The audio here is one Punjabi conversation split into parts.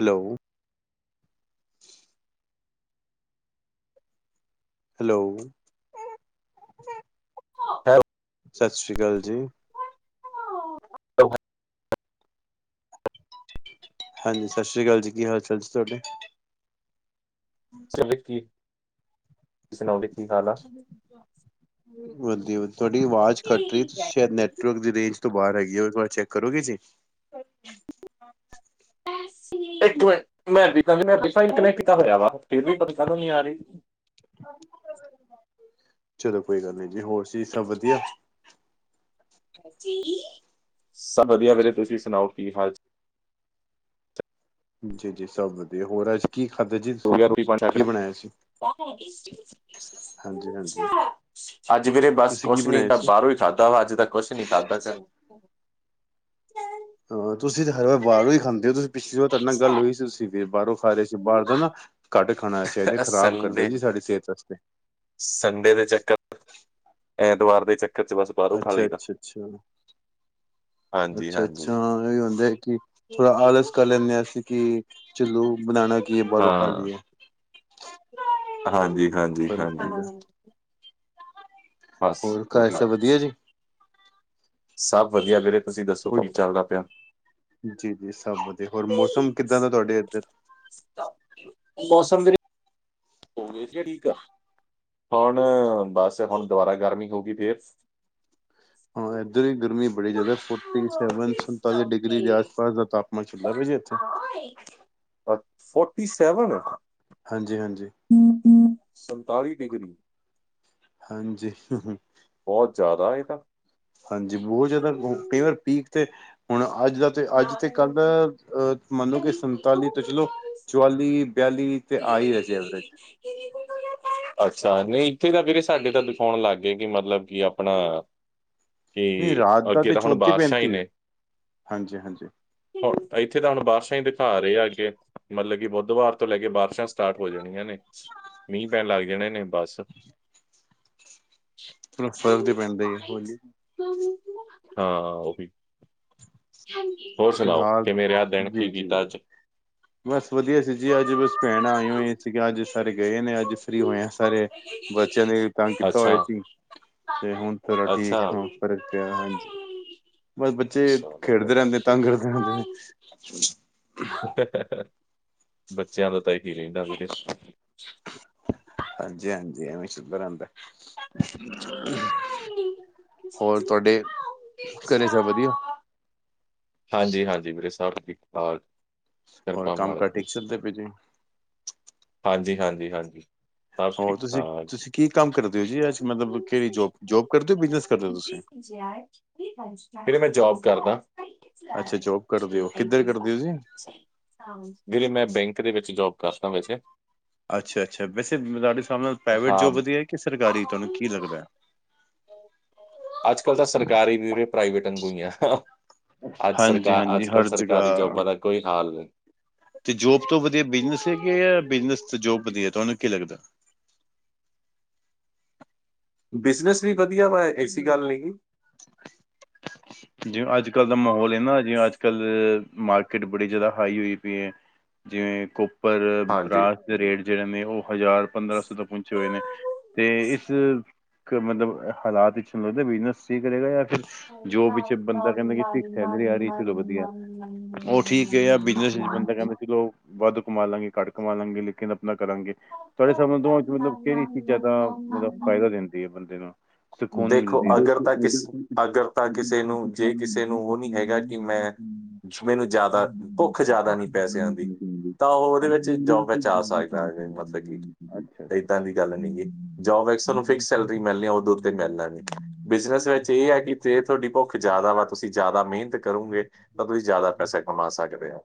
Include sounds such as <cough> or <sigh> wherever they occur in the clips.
ਹੈਲੋ। ਹੈਲੋ। ਹੈ ਸਤ ਸ਼੍ਰੀ ਕਾਲ ਜੀ। ਦੋਹਾ ਹਾਂਜੀ, ਸਤ ਸ੍ਰੀ ਕਾਲ ਜੀ, ਕੀ ਹਾਲ-ਚਾਲ ਜੀ ਤੁਆਡੇ? ਸੇ ਵੀਕ ਜੀ, ਤੁਸੀਂ ਸੁਣਾਓਗੇ ਕੀ ਹਾਲ ਆ? ਵ ਵਧੀਆ ਵਧ, ਤੁਆਡੀ ਅਵਾਜ਼ ਕਟ ਰੀ ਏ ਤੁਸੀਂ ਸੈ਼ਦ ਨੈਟਵਰਕ ਦੀ ਰੇਂਜ ਤੋਂ ਬਾਰ ਹੈਗੀ ਔ, ਇੱਕ ਵਾਰ ਚੈੱਕ ਕਰੋਗੇ ਜੀ। <unintelligible> ਇਕ ਮਿੰਟ ਮੈਂ ਵਾਈਫਾਈ ਨਾਲ ਕਨੈਕਟ ਕਰ ਰਿਹਾ ਫਿਰ ਵੀ ਤੁਹਾਨੂੰ ਸ਼ਰਮ ਨਹੀਂ ਆ ਰਹੀ। ਚਲੋ ਕੋਈ ਗੱਲ ਨੀ ਜੀ, ਹੋਰ ਜੀ ਸਭ ਵਧੀਆ? ਜੀ ਸਭ ਵਧੀਆ ਵੀਰੇ। ਤੁਸੀਂ ਸੁਣਾਓ ਕੀ ਹਾਲ ਚ ਜੀ ਜੀ ਸਭ ਵਧੀਆ, ਹੋਰ ਅੱਜ ਕੀ ਖਾਧਾ ਜੇ? ਹੋ ਗਿਆ ਰੋਟੀ-ਪਾਣੀ ਅੱਜ ਦਾ? ਹਾਂਜੀ ਹਾਂਜੀ ਹਾਂਜੀ ਵੀੇਰੇ ਬਸ ਤੁਸੀਂ ਕੀ ਕੁਛ ਨੀ, ਬਣਾਇਆ ਮੈਂ ਸੀ ਬਾਰੋਂ ਹੀ ਖਾਧਾ ਵਾ ਅੱਜ ਤੱਕ। ਕੁਛ ਨੀ ਖਾਂਦਾ ਚਲੋ। ਅਹ ਤੁਸੀਂ ਤੇ ਹਰ ਵਾਰ ਬਾਰੋਂ ਹੀ ਖਾਂਦੇ ਔ, ਤੁਸੀਂ ਪਿਛਲੀ ਵਾਰ ਤੁਆਡੇ ਨਾਲ ਗੱਲ ਹੋਈ ਸੀ ਤੁਸੀਂ ਫੇਰ ਬਾਰੋਂ ਖਾ ਰਏ ਸੀ ਬਾਰ ਦਾ ਨਾ ਘੱਟ ਖਾਣਾ ਚਾਹੀਦੈ ਖ਼ਰਾਬ ਕਰਦੈ ਸੰਡੇ ਜੀ ਸਾਡੀ ਸੇਹਤ ਆਸਤੇ। ਸੰਡੇ ਦੇ ਚੱਕਰ ਐਤਵਾਰ ਦੇ ਚੱਕਰ ਚ ਬਸ ਬਾਹਰੋਂ ਖਾ ਲਈਦਾ ਅੱਛਾ-ਅੱਛਾ, ਅੱਛਾ। ਹਾਂਜੀ ਅੱਛਾ ਅੱਛਾ, ਹਾਂਜੀ ਹਾਂ ਇਹੀ ਹੁੰਦੈ ਕਿ ਥੋੜਾ ਆਲਸ ਕਰ ਲੈਂਦੇ ਆਂ ਅਸੀਂ ਕਿ ਚੁਲੋ ਬਣਾਨਾ ਕੀ ਏ ਬਾਰੋਂ ਖਾ ਲੀਏ। ਹਾਂਜੀ-ਹਾਂਜੀ, ਫ਼ਰਕ ਹਾਂਜੀ। ਪੈਂਦਾ ਬਸ ਹੋਰ, ਘਰ ਉਹੀ ਸਭ ਵਧੀਆ ਜੀ? ਸਭ ਵਧੀਆ ਵੀੇਰੇ ਤੁਸੀਂ ਦੱਸੋ ਕੀ ਚੱਲਦਾ ਪਿਆ। ਜੀ ਜੀ ਸਭ ਵਧੀਆ, ਹੋਰ ਮੌਸਮ ਕਿੱਦਾਂ ਦਾ ਤੁਹਾਡੇ ਇਧਰ? ਮੋਸਮ ਵੀਰੇ ਔਹਵੇ ਚ ਠੀਕ ਆ। ਹੋਣ ਬਸ ਹੁਣ ਦੁਬਾਰਾ ਗਰਮੀ ਹੋ ਗੀ ਫੇਰ। ਹਾਂ ਐਧਰ ਵੀ ਗਰਮੀ ਬੜੀ ਜਾਦੈ, ਫੋਟੀ-ਸੈਵਨ, ਸੰਤਾਲੀ ਡਿਗਰੀ ਦੇ ਆਸ-ਪਾਸ ਦਾ ਤਾਪਮਾਨ ਚੱਲਦਾ ਪੇ ਜੀ ਐਥੇ। ਹਾਂ, ਉਏ ਅ ਫੋਟੀ ਸੈਵਨ! ਹਾਂਜੀ, ਹਾਂਜੀ। ਸੰਤਾਲੀ ਡਿਗਰੀ ਹਾਂਜੀ ਬੋਹਤ ਜਾਦਾ ਇਹ ਤਾ। ਹਾਂਜੀ ਬਹੁਤ ਜਾਦਾ ਕਈ ਵਾਰ ਪੀਕ ਤੇ ਹੁਣ ਅੱਜ ਦਾ ਤੇ ਅੱਜ ਤੇ ਕੱਲ ਅਹ ਮੰਨੋ ਕਿ ਸੰਤਾਲੀ ਤੋਂ ਚਲੋ ਚੁਵਾਲੀ, ਬਿਆਲੀ ਤੇ ਆ ਹੀ ਰਹੇ ਸੀ ਐਵਰੇਜ। ਅੱਛਾ ਨਹੀਂ ਇੱਥੇ ਤਾਂ ਵੀਰੇ ਸਾਡੇ ਤਾਂ ਦਿਖਾਉਣ ਲੱਗ ਗਏ ਕਿ ਮਤਲਬ ਕਿ ਆਪਣਾ ਨਹੀਂ ਕਿ ਰਾਤ ਅੱਗੇ ਤਾਂ ਹੁਣ ਬਾਰਸ਼ਾਂ ਹੀ ਨੇ। ਹਾਂਜੀ-ਹਾਂਜੀ ਹੁਣ ਇੱਥੇ ਤਾਂ ਹੁਣ ਬਾਰਸ਼ਾਂ ਹੀ ਦਿਖਾ ਰਹੇ ਆ ਅੱਗੇ। ਮਤਲਬ ਕਿ ਬੁੱਧਵਾਰ ਤੋਂ ਲੈ ਕੇ ਬਾਰਿਸ਼ਾਂ ਸਟਾਰਟ ਹੋ ਜਾਣੀਆਂ ਨੇ। ਮੀਂਹ ਪੈਣ ਲੱਗ ਜਾਣੇ ਨੇ ਬੱਸ। ਫਰਕ ਤੇ ਪੈਂਦਾ ਹੈ ਹੋਲੀ ਹਾਂ ਉਹ ਵੀ। ਹੋਰ ਸੁਣਾਓ ਫਿਲਹਾਲ ਕਿਵੇਂ ਰਿਹਾ ਦਿਨ ਕੀ ਜੀ ਜੀ ਕੀਤਾ ਅੱਜ। ਬਸ ਵਧੀਆ ਸੀ ਜੀ ਅੱਜ ਬਸ ਭੈਣਾ ਆਈਆ ਹੋਈਆ ਸੀਗੀ ਅੱਜ ਸਾਰੇ ਗਏ ਨੇ ਅੱਜ। ਫਰੀ ਹੋਏ ਆ ਸਾਰੇ ਬੱਚਿਆਂ ਨੇ ਤੰਗ ਕੀਤਾ ਹੋਇਆ ਅੱਛਾ ਸੀ। ਤੇ ਹੁਣ ਥੋੜਾ ਠੀਕ ਅੱਛਾ। ਹਾਂ ਪਰ ਪਿਆ ਹਾਂਜੀ ਬਸ ਬੱਚੇ ਖੇਡਦੇ ਰਹਿੰਦੇ ਤੰਗ ਕਰਦੇ ਰਹਿੰਦੇ ਨੇ। ਬੱਚਿਆਂ ਦਾ ਤਾਂ ਇਹੀ ਰਹਿੰਦਾ ਵੀਰੇ। ਹਾਂਜੀ-ਹਾਂਜੀ ਐਵੇਂ ਸ਼ੁਗਰ ਰਹਿਦਾ। ਹੋਰ ਤੁਹਾਡੇ ਘਰੇ ਸਬ ਵਧੀਆ। ਹਾਂਜੀ-ਹਾਂਜੀ ਵੀਰੇ ਸਬ ਠੀਕ ਠਾਕ ਹੋਰ ਕਿਰਪਾ ਕੰਮ ਕਾਰ ਮਾਲਕ ਦੀ। <unintelligible> ਹਾਂਜੀ-ਹਾਂਜੀ, ਹਾਂਜੀ। ਸਭ ਹੋਰ ਠੀਕ ਠਾਕ। ਤੁਸੀ-ਤੁਸੀ ਕੀ ਕੰਮ ਕਰਦੇ ਹੋ ਜੀ ਐਸ ਮਤਲਬ ਕਿਹੜੀ ਜੋਬ, ਜੋਬ ਕਰਦੇ ਹੋ ਬਿਜਨਸ ਕਰਦੇ ਹੋ ਤੁਸੀ। ਵੀਰੇ ਮੈਂ ਜੋਬ ਕਰਦਾ। ਅੱਛਾ ਜੋਬ ਕਰਦੇ ਓ ਕਿੱਧਰ ਕਰਦੇ ਹੋ ਤੁਸੀ। ਵੀਰੇ ਮੈਂ ਬੈਂਕ ਦੇ ਵਿੱਚ ਜੋਬ ਕਰਦਾ ਵੈਸੇ। ਅੱਛਾ-ਅੱਛਾ ਵੈਸੇ ਤੁਹਾਡੇ ਹਿਸਾਬ ਨਾਲ ਪ੍ਰਾਈਵੇਟ ਹਾਂ। ਜੋਬ ਵਧੀਆ ਕਿ ਸਰਕਾਰੀ ਤੁਹਾਨੂੰ ਕੀ ਲੱਗਦਾ। ਅੱਜ ਕੱਲ ਤਾਂ ਸਰਕਾਰੀ ਵੀ ਪ੍ਰਾਈਵੇਟ ਅੰਗੂ ਹੀ ਆ। ਅੱਜ ਸਰਕਾਰ ਹਾਂਜੀ-ਹਾਂਜੀ ਅੱਜ ਕੱਲ੍ਹ ਹਰ ਸਰਕਾਰੀ ਜਗ੍ਹਾ ਜੋਬਾਂ ਦਾ ਕੋਈ ਹਾਲ ਨਈ। ਤੇ ਜੋਬ ਤੋਂ ਵਧੀਆ ਬਿਜਨਸ ਹੈ ਕੇ, ਬਿਜਨਸ ਤੋਂ ਜੋਬ ਵਧੀਆ ਤੁਹਾਨੂੰ ਕੀ ਲੱਗਦਾ? ਬਿਜਨਸ ਵੀ ਵਧੀਆ ਵਾ ਐਸੀ ਗੱਲ ਨਈ ਗੀ। ਜਿਵੇਂ ਅੱਜ ਕੱਲ੍ਹ ਦਾ ਮਾਹੌਲ ਹੈ ਨਾ ਜਿਵੇਂ ਅੱਜ ਕੱਲ ਮਾਰਕੀਟ ਬੜੀ ਜਾਦਾ ਹਾਈ ਹੋਈ ਪਯੀ ਹੈ ਜਿਵੇਂ ਕੋਪਰ ਹਾਂਜੀ। ਬਰਾਸ ਦੇ ਰੇਟ ਜਿਹੜੇ ਨੇ ਉਹ ਹਜ਼ਾਰ ਪੰਦਰਾਂ ਸੌ ਤੋਂ ਪਹੁੰਚੇ ਹੋਏ ਨੇ ਤੇ ਇਸ ਮਤਲਬ ਹਾਲਾਤ <unintelligible> ਬਿਜਨਸ ਠੀਕ ਰਹੇਗਾ ਜਾਂ ਫਿਰ ਜੋ ਪੇ ਬੰਦਾ ਕਹਿੰਦਾ ਕਿ ਫਿਕਸ ਸੈਲਰੀ ਆ ਰਹੀ ਚਲੋ ਵਧੀਆ ਉਹ ਠੀਕ ਏ ਆ ਬਿਜਨਸ ਚ ਬੰਦਾ ਕਹਿੰਦਾ ਚਲੋ ਵੱਧ ਕਮਾ ਲਾਂਗੇ ਘੱਟ ਕਮਾ ਲਾਂਗੇ ਲੇਕਿਨ ਆਪਣਾ ਕਰਾਂਗੇ। ਤੁਹਾਡੇ ਹਿਸਾਬ ਨਾਲ ਦੋਵਾਂ ਚ ਮਤਲਬ ਕਿਹੜੀ ਚੀਜ਼ਾਂ ਦਾ ਮਤਲਬ ਫਾਇਦਾ ਦਿੰਦੀ ਹੈ ਬੰਦੇ ਨੂੰ। ਸਕੂਨ ਦੇਖੋ ਮਿਲਦੀ ਏ ਅਗਰ ਤਾਂ ਕਿਸ ਅਗਰ <unintelligible> ਤਾਂ ਕਿਸੇ ਨੂੰ ਜੇ ਕਿਸੇ ਨੂੰ ਉਹ ਨਹੀਂ ਹੈਗਾ ਕਿ ਮੈਂ ਮੈਨੂੰ ਜਾਦਾ ਭੁੱਖ ਜਾਦਾ ਨੀ ਪੈਸਿਆਂ ਦੀ ਤਾਂ ਉਹ ਉਹਦੇ ਵਿੱਚ ਜੋਬ ਵਿੱਚ ਆ ਸਕਦ ਮਤਲਬ ਕੀ ਅੱਛਾ ਅੱਛਾ ਏਦਾਂ ਦੀ ਗੱਲ ਨੀ ਜੀ ਜੋਬ ਵਿੱਚ ਸਾਨੂ ਫਿਕਸ ਸੈਲਰੀ ਮਿਲਣੀ ਉਦ ਤੇ <unintelligible> ਅੱਛਾ ਬਿਜਨਸ ਵਿੱਚ ਇਹ ਹੈ ਕਿ ਜੇ ਤੁਹਾਡੀ ਭੁੱਖ ਜਾਦਾ ਵਾ ਤੁਸੀਂ ਜਾਦਾ ਮਿਹਨਤ ਕਰੋਗੇ ਤਾਂ ਤੁਸੀਂ ਜ਼ਿਆਦਾ ਪੈਸਾ ਕਮਾ ਸਕਦੇ ਔ,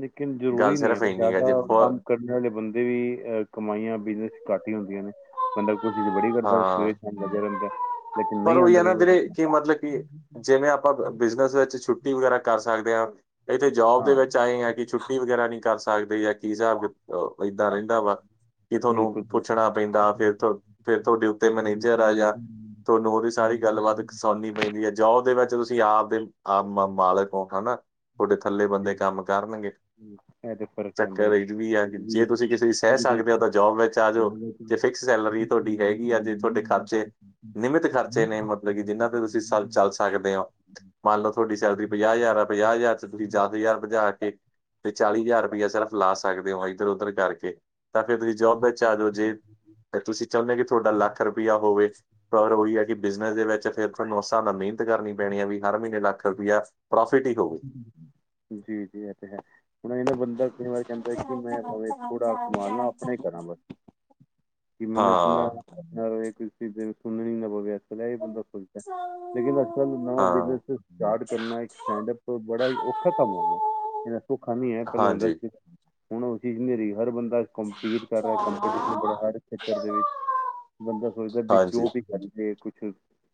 ਲੇਕਿਨ ਜ਼ਰੂਰੀ ਨਹੀਂ ਐ ਸਿਰਫ ਨਾ ਇੰਨੀ ਹੈ ਜ਼ਿਆਦਾ ਜੇ ਕੰਮ ਕਰਨ ਵਾਲੇ ਬੰਦੇ ਵੀ ਅ ਕਮਾਈਆਂ ਬਿਜਨਸ ਘੱਟ ਹੀ ਹੁੰਦੀਆਂ ਨੇ ਬੰਦਾ ਕੋਸ਼ਿਸ਼ ਬੜੀ ਕਰਦਾ ਸਵੇਰੇ ਹਾਂ। ਸ਼ਾਮ ਲੱਗਿਆ ਰਹਿੰਦਾ। ਲੇਕਿਨ ਪਰ ਨਹੀਂ ਉਹੀ ਆਉਂਦਾ ਐ ਨਾ ਕਈ ਵਾਰੀ ਜਿਹੜਰੇ ਕਿ ਮਤਲਬ ਕਿ ਜਿਵੇਂ ਆਪਾਂ ਬਿਜਨਸ ਵਿੱਚ ਛੁੱਟੀ ਵਗੈਰਾ ਕਰ ਸਕਦੇ ਹਾਂ ਇੱਥੇ ਜੋਬ ਦੇ ਹਾਂ ਵਿੱਚ ਆਏ ਹਾਂ ਕਿ ਛੁੱਟੀ ਵਗੈਰਾ ਨੀ ਕਰ ਸਕਦੇ ਜਾਂ ਕੀ ਹਿਸਾਬ ਏਦਾਂ ਰਹਿੰਦਾ ਵਾ, ਕਿ ਬਿਲਕੁਲ ਤੁਹਾਨੂੰ ਬਿਲਕੁਲ। ਪੁੱਛਣਾ ਪੈਂਦਾ ਫਿਰ ਫਿਰ ਤੁਹਾਡੇ ਉੱਤੇ ਮੈਨੇਜਰ ਆ ਜਾਂ ਤੁਹਾਨੂੰ ਉਹਦੀ ਸਾਰੀ ਗੱਲਬਾਤ ਸੁਣਨੀ <unintelligible> ਜੋਬ ਦੇ ਵਿੱਚ ਤੁਸੀਂ ਆਪ ਦੇ ਆਪ ਮਾਲਕ ਹੋ ਹਨਾ, ਤੁਹਾਡੇ ਥੱਲੇ ਬੰਦੇ ਜੀ ਕੰਮ ਕਰਨਗੇ, ਇਹ ਤੇ ਫਰਕ ਪੈਂਦਾ ਹੈ ਚੱਕਰ ਇਹ ਵੀ ਆ ਜੇ ਤੁਸੀਂ ਕਿਸੇ ਦੀ ਸਹਿ ਜੀ ਸਕਦੇ ਹੋ ਤਾਂ ਜੋਬ ਵਿੱਚ ਆ ਜਾਓ। ਤੇ ਫਿਕਸ ਸੈਲਰੀ ਤੁਹਾਡੀ ਹੈਗੀ ਅਜੇ ਤੁਹਾਡੇ ਖਰਚੇ, ਨਿਮਿਤ ਖਰਚੇ ਨੇ ਮਤਲਬ ਕਿ ਜਿਹਨਾਂ ਤੇ ਤੁਸੀਂ ਸਰ ਚੱਲ ਸਕਦੇ ਹੋ, ਮੰਨ ਲਓ ਤੁਹਾਡੀ ਸੈਲਰੀ ਪੰਜਾਹ ਹਜ਼ਾਰ ਆ ਪੰਜਾਹ ਹਜ਼ਾਰ ਚ ਤੁਸੀਂ ਜਦ ਹਜ਼ਾਰ ਭਜਾ ਕੇ ਤੇ ਚਾਲੀ ਹਜ਼ਾਰ ਰੁਪਇਆ ਸਿਰਫ ਲਾ ਸਕਦੇ ਹੋ ਇੱਧਰ ਉਧਰ ਕਰਕੇ, ਤਾਂ ਫੇਰ ਤੁਸੀਂ ਜੋਬ ਵਿੱਚ ਆ ਜਾਓ ਜੇ ਤੁਸੀਂ ਚਾਹੁੰਦੇ ਕਿ ਤੁਹਾਡਾ ਲੱਖ ਰੁਪਇਆ ਹੋਵੇ, ਪਰ ਉਹੀ ਐ ਕਿ ਬਿਜਨਸ ਦੇ ਵਿੱਚ ਫੇਰ ਤੁਹਾਨੂੰ ਹਿਸਾਬ ਨਾਲ ਮਿਹਨਤ ਕਰਨੀ ਪੈਣੀ ਐ ਵੀ ਹਰ ਮਹੀਨੇ ਲੱਖ ਰੁਪਇਆ ਪ੍ਰੋਫਿਟ ਹੀ ਹੋਵੇ ਜੀ-ਜੀ ਇਹ ਤੇ ਹੈ। ਹੁਣ ਇਹਦਾ ਬੰਦਾ ਕਈ ਵਾਰ ਕਹਿੰਦਾ ਕਿ ਮੈਂ ਭਾਵੇ ਥੋੜ੍ਹਾ ਸੰਭਾਲ ਲਵਾ ਆਪਣੇ ਹੀ ਕਰਾਂ ਬਸ, ਕਿ ਮੈਨੂੰ ਆਪਣਾ ਹਾਂ <unintelligible> ਹੁਣ ਐ ਬੰਦਾ ਸੋਚਦਾ ਲੇਕਿਨ ਇਕ ਤਰਾ ਦਾ ਨਵਾਂ ਹਾਂ ਬਿਜਨ ਸਟਾਰਟ ਕਰਨਾ ਇੱਕ ਸਟੈਂਡਪ, ਬੜਾ ਹੀ ਔਖਾ ਕੰਮ ਹੋ ਗਿਆ, ਇਹਨਾ ਸੌਖਾ ਨੀ ਐ ਪਹਿਲੇ ਹੁਣ ਹਾਂਜੀ, ਦੱਸ ਹੁਣ ਉਹ ਚੀਜ਼ ਨੀ ਰਹੀ ਹਰ ਬੰਦਾ ਕੰਪਲੀਟ ਕਰ ਰਿਹਾ ਹਰ ਕੰਪੀਟੀਸ਼ਨ ਖੇਤਰ ਦੇ ਵਿੱਚ ਬੰਦਾ ਸੋਚਦਾ ਵੀ ਹਾਂਜੀ, ਜੋ ਵੀ ਕਰਦੇ ਕੁਛ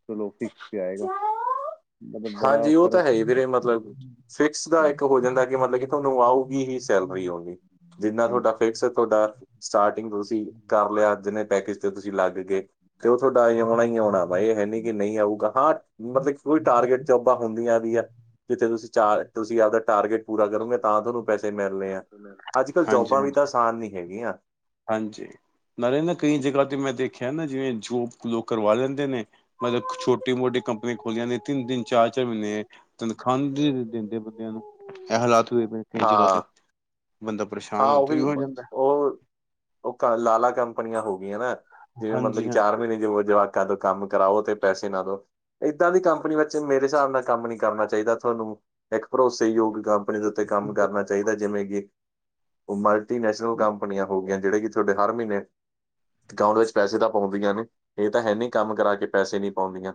ਚਲੋ ਫਿਕਸ ਤੇ ਆਏਗਾ, ਮਤਲਬ ਬੜਾ ਹਾਂਜੀ ਉਹ ਤਾਂ ਫਰਕ ਹੈ ਹੀ ਵੀਰੇ ਮਤਲਬ ਗਿਆ ਫਿਕਸ ਦਾ ਇੱਕ ਹਾਂਜੀ। ਹੋ ਜਾਂਦਾ ਕਿ ਮਤਲਬ ਕਿ ਤੁਹਾਨੂੰ ਆਊਗੀ ਹੀ ਸੈਲਰੀ ਓਨਲੀ, ਜਿੰਨਾ ਤੁਹਾਡਾ ਹਾਂਜੀ, ਫਿਕਸ ਤੁਹਾਡਾ ਸਟਾਰਟਿੰਗ ਤੁਸੀਂ ਕਰ ਲਿਆ ਜਿੰਨੇ ਪੈਕੇਜ, ਤੁਸੀਂ ਲੱਗ ਗਏ, ਤੇ ਉਹ ਤੁਹਾਡਾ ਐ ਆਉਣਾ ਹੀ ਆਉਣਾ ਵਾ ਇਹ ਹੈ ਨੀ, ਕਿ ਨਹੀਂ ਆਊਗਾ ਹਾਂ ਮਤਲਬ ਕੋਈ ਟਾਰਗੇਟ ਆਪਾ ਨੂੰ ਵੀ ਆ ਜਿੱਥੇ ਤੁਸੀਂ ਚਾਰ ਤੁਸੀਂ ਆਪਦਾ ਟਾਰਗੇਟ ਪੂਰਾ ਕਰੋਗੇ ਤਾਂ ਤੁਹਾਨੂੰ ਪੈਸੇ ਮਿਲਨੇ ਆ, ਹਾਂਜੀ। ਅੱਜ-ਕਲ ਹਾਂਜੀ ਜੋਬਾਂ ਵੀ ਤਾਂ ਆਸਾਨ ਨੀ ਹੈਗੀਆਂ, ਹਾਂਜੀ ਨਾਲੇ ਨਾ ਕਈ ਜਗ੍ਹਾ ਤੇ ਮੈਂ ਦੇਖਿਆ ਨਾ ਜਿਵੇਂ <unintelligible> ਲੋਕ ਕਰਵਾ ਲੈਂਦੇ ਨੇ ਮਤਲਬ ਛੋਟੀ ਮੋਟੀ ਕੰਪਨੀਆਂ ਖੋਲੀਆਂ ਨੇ ਤਿੰਨ-ਤਿੰਨ ਚਾਰ-ਚਾਰ ਮਹੀਨੇ, ਤਨਖਾਹ ਦਿੰਦੇ ਬੰਦਿਆਂ ਨੂੰ ਇਹ ਹਾਲਾਤ ਵੀ ਪਏ ਨੇ। ਹਾਂ-ਹਾਂ ਹੋ ਤੇ ਵੀ ਉਹੀ ਹੋ ਜਾਂਦਾ ਉਹ, ਉਹ ਕ ਲਾਲਾ ਕੰਪਨੀਆਂ ਹੋ ਗਈਆਂ ਨਾ ਜਿਵੇਂ ਮਤਲਬ ਕਿ ਹਾਂਜੀ ਚਾਰ ਹਾਂਜੀ ਮਹੀਨੇ ਜਵਾ, ਕਦੋਂ ਕੰਮ ਕਰਾਓ ਤੇ ਪੈਸੇ ਨਾ ਦੋ, ਇੱਦਾਂ ਦੀ ਕੰਪਨੀ ਵਿੱਚ ਮੇਰੇ ਹਿਸਾਬ ਨਾਲ ਕੰਮ ਨੀ ਕਰਨਾ ਚਾਹੀਦਾ ਤੁਹਾਨੂੰ ਇੱਕ ਭਰੋਸੇਯੋਗ ਕੰਪਨੀ, ਦੇ ਕੰਮ ਕਰਨਾ ਚਾਹੀਦਾ ਜਿਵੇਂ ਕਿ, ਉਹ ਮਲਟੀਨੈਸ਼ਨਲ ਕੰਪਨੀਆਂ ਹੋ ਗਈਆਂ ਜਿਹੜੇ ਕਿ ਤੁਹਾਡੇ ਹਰ ਮਹੀਨੇ ਅਕਾਊਂਟ ਵਿੱਚ ਪੈਸੇ ਤਾਂ ਪਾਉਂਦੀਆਂ ਨੇ ਇਹ ਤਾਂ ਹੈ ਨਹੀਂ ਕੰਮ ਕਰਾ ਕੇ ਪੈਸੇ ਨੀ ਪਾਉਂਦੀਆਂ,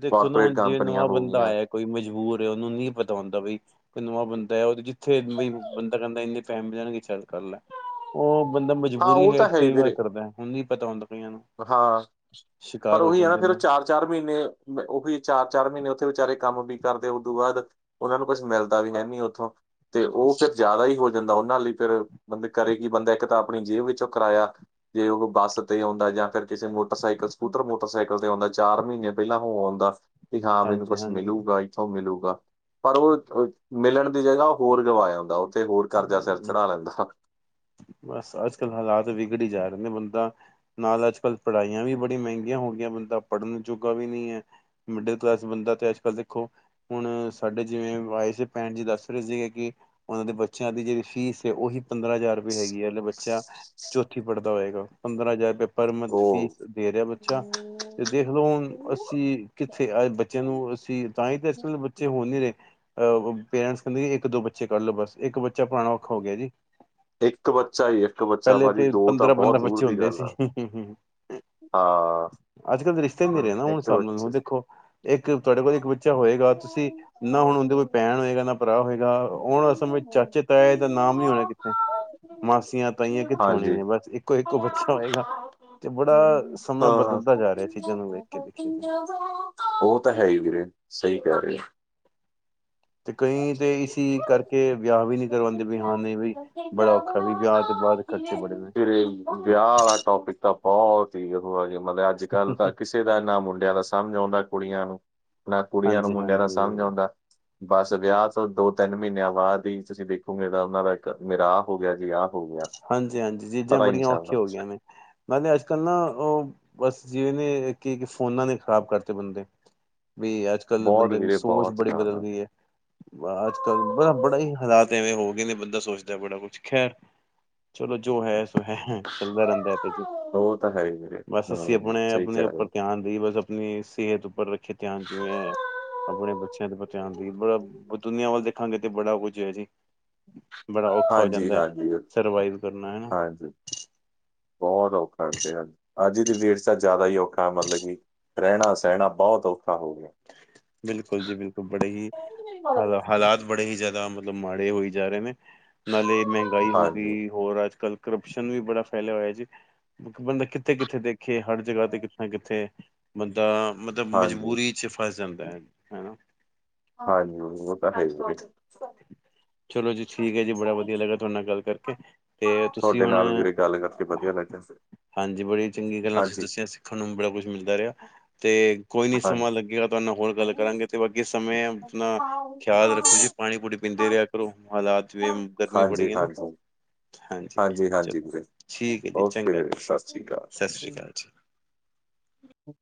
ਦੇਖੋ ਨਾ ਕਾਰਪੋਰੇਟ ਹੁਣ ਜਿਵੇ ਕੰਪਨੀਆਂ ਨਵਾਂ ਹੋ ਬੰਦਾ ਗਈਆਂ ਆਇਆ, ਕੋਈ ਮਜਬੂਰ ਐ ਉਹਨੂੰ ਨਹੀਂ ਪਤਾ ਹੁੰਦਾ ਬਈ ਕੋਈ ਨਵਾਂ ਬੰਦਾ ਐ ਉਹ ਜਿੱਥੇ ਬ ਬੰਦਾ ਕਹਿੰਦਾ ਇੰਨੇ, ਟੈਮ ਦਿਆਗੇ ਚੱਲ ਕਰ ਲੈ, ਉਹ ਬੰਦਾ ਹਾਂ ਮਜਬੂਰੀ ਉਹ ਤਾਂ ਹੇਠ ਹੈ ਹੀ ਕਈ ਵਾਰ ਵੀਰੇ ਕਰਦਾ ਹੁਣ ਨਹੀਂ ਪਤਾ ਹੁੰਦਾ ਕਈਆਂ ਨੂੰ ਸ਼ਿਕਾਰ ਹੋ ਜਾਂਦੇ ਨੇ। ਚਾਰ ਮਹੀਨੇ ਉਹੀ ਚਾਰ ਚਾਰ ਮਹੀਨੇ ਉੱਥੇ ਵਿਚਾਰੇ ਕੰਮ ਵੀ ਕਰਦੇ ਉਦੋਂ ਬਾਅਦ, ਉਹਨਾਂ ਨੂੰ ਕੁਛ ਮਿਲਦਾ ਵੀ ਹੈ ਨੀ ਉੱਥੋਂ, ਤੇ ਉਹ ਫਿਰ ਜ਼ਿਆਦਾ ਹੀ ਹੋ ਜਾਂਦਾ ਉਹਨਾਂ ਲਈ ਫਿਰ ਬਈ ਕਰੇ ਕਿ ਬੰਦਾ ਇੱਕ ਤਾਂ ਆਪਣੀ ਜੇਬ ਵਿੱਚੋਂ ਕਰਾਇਆ। ਜੇ ਉਹ ਬੱਸ ਤੇ ਆਉਂਦਾ ਜਾਂ ਫਿਰ ਕਿਸੇ ਮੋਟਰਸਾਈਕਲ ਸਕੂਟਰ ਮੋਟਰਸਾਈਕਲ ਤੇ ਆਉਂਦਾ ਚਾਰ ਮਹੀਨੇ ਪਹਿਲਾਂ ਹੋ ਆਉਂਦਾ। ਵੀ ਹਾਂ ਮੈਨੂੰ ਹਾਂਜੀ ਕੁਛ ਹਾਂਜੀ ਮਿਲੂਗਾ ਈ ਉਥੋਂ ਮਿਲੂਗਾ ਪਰ ਉਹ ਮਿਲਣ ਦੀ ਜਗ੍ਹਾ ਹੋਰ ਗਵਾ ਆਉਂਦਾ ਉੱਥੇ ਹੋਰ ਕਰਜ਼ਾ ਸਿਰ, ਹਮ, ਚੜ੍ਹਾ ਲੈਂਦਾ ਹ ਬਸ ਅੱਜ ਕੱਲ ਹਾਲਾਤ ਵਿਗੜ ਹੀ ਜਾ ਰਹੇ ਨੇ ਬੰਦਾ, ਨਾਲ ਅੱਜ ਕੱਲ੍ਹ ਪੜ੍ਹਾਈਆਂ ਵੀ ਬੜੀਆਂ ਮਹਿੰਗੀਆਂ ਹੋ ਗਈਆਂ ਬੰਦਾ ਪੜ੍ਹਨ ਜੋਗਾ ਵੀ ਨਹੀਂ ਹੈ। ਮਿਡਲ ਕਲਾਸ ਬੰਦਾ ਤੇ ਅੱਜ ਕੱਲ੍ਹ ਦੇਖੋ। ਹੁਣ ਸਾਡੇ ਜਿਵੇਂ ਆਏ ਸੀ ਭੈਣਜੀ ਦੱਸ ਰਹੇ ਸੀਗੇ ਕਿ ਉਹਨਾਂ ਦੇ ਬੱਚਿਆਂ ਦੀ ਜਿਹੜੀ ਫੀਸ ਉਹੀ ਪੰਦਰਾਂ ਹਜ਼ਾਰ ਮਹੀਨੇ ਦੀ ਹੈਗੀ ਆ ਜੋ ਬੱਚਾ ਚੌਥੀ ਪੜ੍ਹਦਾ ਹੋਏਗਾ ਪੰਦਰਾਂ ਹਜ਼ਾਰ ਰੁਪਏ ਪਰ ਮੰਥ ਫੀਸ ਉਹ ਦੇ ਰਿਹਾ ਬੱਚਾ ਤੇ ਦੇਖ ਲਓ ਹੁਣ ਅਸੀਂ ਕਿੱਥੇ ਆ ਬੱਚੇ ਨੂੰ ਅਸੀਂ ਤਾਂ ਹੀ ਤਾਂ ਅੱਜ ਕੱਲ ਬੱਚੇ ਉਹ ਨਹੀਂ ਰਹੇ। ਅਹ ਪੇਰੈਂਟਸ ਕਹਿੰਦੇ ਇੱਕ ਦੋ ਬੱਚੇ ਕਰ ਲੋ ਬਸ ਇੱਕ ਬੱਚਾ ਪੜਾਉਣਾ ਔਖਾ ਹੋ ਗਿਆ ਜੀ। ਇੱਕ ਬੱਚਾ ਹੀ ਹੈ ਪਹਿਲੇ ਤੇ ਪੰਦਰਾਂ ਪੰਦਰਾਂ ਬੱਚੇ ਹੁੰਦੇ ਸੀ। ਆ ਹਾਂ ਅੱਜ ਕੱਲ੍ਹ ਦੇ ਰਿਸ਼ਤੇ ਨੀ ਰਹੇ ਨਾ ਹੁਣ ਹਿਸਾਬ ਦੇਖੋ ਇੱਕ ਤੁਹਾਡੇ ਕੋਲ ਇੱਕ ਬੱਚਾ ਹੋਏਗਾ ਤੁਸੀਂ ਨਾ ਹੁਣ ਉਹਦੇ ਕੋਈ ਭੈਣ ਹੋਏਗਾ ਨਾ ਭਰਾ ਹੋਏਗਾ ਹੁਣ ਅਸਲ ਚਾਚੇ ਤਾਏ ਦਾ ਨਾਮ ਨਹੀਂ ਹੋਣਾ ਕਿੱਥੇ ਮਾਸੀਆਂ ਤਾਂਈਆਂ ਕਿੱਥੇ ਹੋਣੀਆਂ ਨੇ ਹਾਂਜੀ ਬਸ ਇੱਕੋ ਇੱਕੋ ਬੱਚਾ ਹੋਏਗਾ। ਬੜਾ ਸਮਾਂ ਹਾਂ। ਬਦਲਦਾ ਜਾ ਰਿਹਾ ਚੀਜ਼ਾਂ ਨੂੰ ਵੇਖ ਕੇ ਦੇਖੀਏ ਤਾਂ ਉਹ ਤਾਂ ਹੈ ਹੀ ਵੀਰੇ ਸਹੀ ਕਹਿ ਰਹੇ। ਤੇ ਕਈ ਤੇ ਇਸੀ ਕਰਕੇ ਵਿਆਹ ਵੀ ਨਹੀਂ ਕਰਵਾਉਂਦੇ ੇ ਵੀ ਹਾਂ ਨਹੀਂ ਬਈ ਬੜਾ ਗਿਆ ਔਖਾ ਵੀ ਵਿਆਹ ਵਾਹ ਤੋਂ ਬਾਅਦ <unintelligible> ਖਰਚੇ ਬੜੇ ਨੇ ਵੀਰੇ ਵਿਆਹ ਵਾਲਾ ਟੋਪਿਕ ਤਾਂ ਬਹੁਤ ਹੀ ਉਹ ਮਤਲਬ ਅੱਜ ਕੱਲ ਤਾਂ ਕਿਸੇ ਕਿਸੇ ਦਾ ਨਾ ਮੁੰਡਿਆਂ ਦਾ ਸਮਂਝ ਆਉਂਦਾ ਕੁੜੀਆਂ ਨੂੰ ਨਾ ਕੁੜੀਆਂ ਨੂੰ ਹਾਂਜੀ ਮੁੰਡਿਆਂ ਦਾ ਸਮਂਝ ਹਾਂਜੀ ਆਉਂਦਾ। ਬਸ ਵਿਆਹ ਤੋਂ ਦੋ ਤਿੰਨ ਮਹੀਨਿਆਂ ਬਾਅਦ ਹੀ ਤੁਸੀਂ ਦੇਖੋਗੇੇ ਤਾਂ ਉਹਨਾਂ ਦਾ ਇੱਕ ਮੇਰਾ ਆਹ ਹੋ ਗਿਆ ਜੀ ਆਹ ਹੋ ਗਿਆ ਹਾਂਜੀ, ਹਾਂਜੀ ਚੀਜ਼ਾਂ ਪਤਾ ਹੀ ਨਹੀਂ ਬੜੀਆਂ ਔਖੀਆਂ ਚੱਲਦਾ ਹੋ ਗਈਆਂ ਨੇ। ਨਾਲੇ ਅੱਜ ਕੱਲ੍ਹ ਨਾ ਉਹ ਬਸ ਜਿਵੇਂ ਨੇ ਕੀ ਫੋਨਾਂ ਨੇ ਖ਼ਰਾਬ ਕਰਤੇ ਬੰਦੇ। ਬੀ ਅੱਜ ਕੱਲ੍ਹ ਬਹੁਤ ਬੰਦੇ ਦੀ ਵੀਰੇ ਸੋਚ ਬਹੁਤ ਬੜੀ ਬਦਲ ਜ਼ਿਆਦਾ ਗਈ ਹੈ। ਅੱਜ ਕੱਲ ਬੜਾ ਬੜੇ ਹੀ ਹਾਲਾਤ ਐਵੇਂ ਹੋ ਗਏ ਨੇ ਬੰਦਾ ਸੋਚਦਾ ਬੜਾ ਕੁੱਛ ਖੈਰ ਚਲੋ ਜੋ ਹੈ ਸੋ ਹੈ ਚੱਲਦਾ ਰਹਿੰਦਾ ਇਹ ਤੇ ਜੀ ਉਹ ਤਾਂ ਹੈ ਹੀ ਵੀਰੇ ਬਸ ਅਸੀਂ ਹਾਂ ਆਪਣੇ ਸਹੀ ਕਹਿ ਆਪਣੇ ਰਹੇ ਉੱਪਰ ਹੋ। ਧਿਆਨ ਦੇਈ ਬਸ ਆਪਣੀ ਸਿਹਤ ਉੱਪਰ ਰੱਖੀਏ ਧਿਆਨ ਜਿਵੇਂ ਆਪਣੇ ਬੱਚਿਆਂ ਤੇ ਬਚਾਉਣ ਦੀ ਬੜੀ ਦੁਨੀਆਂ ਵੱਲ ਦੇਖਾਂਗੇ ਤੇ ਬੜਾ ਕੁੱਝ ਹੈ ਜੀ। ਬੜਾ ਔਖਾ ਹੋ ਹਾਂਜੀ ਜਾਂਦਾ ਹੈ ਹਾਂਜੀ ਸਰਵਾਈਵ ਕਰਨਾ ਹੈ ਨਾ। ਹਾਂਜੀ ਬਹੁਤ ਔਖਾ ਹੁੰਦਾ ਹੈ ਅੱਜ ਦੀ ਡੇਟ ਚ ਜ਼ਿਆਦਾ ਹੀ ਔਖਾ ਮਤਲਬ ਕੀ ਰਹਿਣਾ ਸਹਿਣਾ ਬਹੁਤ ਔਖਾ ਹੋ ਗਿਆ। ਬਿਲਕੁੱਲ ਜੀ ਬਿਲਕੁੱਲ ਬੜੇ ਹੀ ਹਾਲਾਤ ਹਾਲਾਤ ਬੜੇ ਹੀ ਜ਼ਿਆਦਾ ਮਤਲਬ ਮਾੜੇ ਹੋਈ ਜਾ ਰਹੇ ਨੇ ਨਾਲੇ ਮਹਿੰਗਾਈ ਹੋ ਹਾਂਜੀ ਗਈ ਹੋਰ ਅੱਜ ਕੱਲ੍ਹ ਕਰਪਸ਼ਨ ਵੀ ਬੜਾ ਫੈਲਿਆ ਹੋਇਆ ਜੀ ਬੰਦਾ ਕਿੱਥੇ ਕਿੱਥੇ ਦੇਖੇ ਹਰ ਜਗ੍ਹਾ ਤੇ ਕਿੱਥੇ ਨਾ ਕਿੱਥੇ ਬੰਦਾ ਮਤਲਬ ਹਾਂਜੀ ਮਜ਼ਬੂਰੀ ਚ ਫਸ ਜਾਂਦਾਂ ਹੈ ਨਾ ਹਾਂਜੀ ਉਹ ਤਾਂ ਹੈ ਈ ਆ ਜੀ। ਚਲੋ ਜੀ ਠੀਕ ਹੈ ਜੀ, ਬੜਾ ਵਧੀਆ ਲੱਗਾ ਤੁਹਾਡੇ ਨਾਲ ਗੱਲ ਕਰਕੇ। ਤੇ ਤੁਸੀਂ ਤੁਹਾਡੇ ਹੁਣ ਨਾਲ ਵੀਰੇ ਗੱਲ ਕਰਕੇ ਵਧੀਆ ਲੱਗਿਆ ਹਾਂਜੀ ਬੜੀਆਂ ਚੰਗੀਆਂ ਗੱਲਾਂ ਤੁਸੀਂ ਹਾਂਜੀ ਦੱਸੀਆਂ, ਸਿੱਖਣ ਨੂੰ ਵੀ ਬੜਾ ਕੁੱਛ ਮਿਲਦਾ ਰਿਹਾ। ਤੇ ਕੋਈ ਨੀ ਸਮਾਂ ਹਾਂਜੀ ਲੱਗੇਗਾ ਤੁਹਾਡੇ ਨਾਲ ਹੋਰ ਗੱਲ ਕਰਾਂਗੇ ਤੇ, ਬਾਕੀ ਸਮੇਂ ਆਪਣਾ ਖਿਆਲ ਰੱਖੋ ਜੀ। ਪਾਣੀ- ਪੂਣੀ ਪੀਂਦੇ ਰਿਹਾ ਕਰੋ, ਹਾਲਾਤ ਗਰਮੀਂ ਹਾਂਜੀ ਬੜੀ ਹੈ ਨਾ। ਹਾਂਜੀ ਹਾਂਜੀ ਹਾਂਜੀ ਚਲੋ ਵੀਰੇ ਠੀਕ ਹੈ ਜੀ, ਓਕੇ ਚੰਗਾ ਵੀਰੇ ਜੀ, ਸਤਿ ਸ਼੍ਰੀ ਅਕਾਲ ਸਤਿ ਸ੍ਰੀ ਅਕਾਲ ਜੀ।